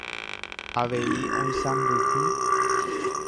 Avei oisãmbyhy.